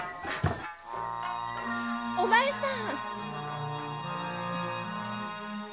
お前さん